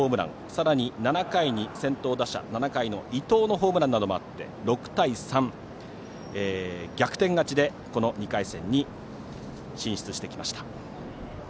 さらに７回に先頭打者伊藤のホームランもあって６対３逆転勝ちで２回戦に進出してきました。